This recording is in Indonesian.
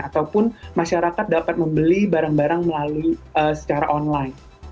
ataupun masyarakat dapat membeli barang barang melalui secara online